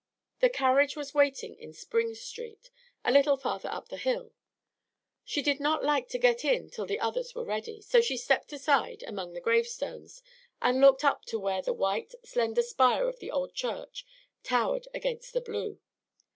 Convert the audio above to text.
The carriage was waiting in Spring Street, a little farther up the hill. She did not like to get in till the others were ready, so she stepped aside among the gravestones, and looked up to where the white, slender spire of the old church towered against the blue.